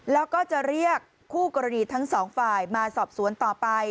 แล้วก็จะเรียกคู่กรณีทั้งสองฝ่ายมาสอบสวนต่อไป